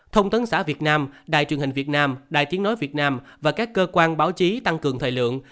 thông tấn xã việt nam đài truyền hình việt nam đài tiếng nói việt nam và các cơ quan báo chí tăng cường thời lượng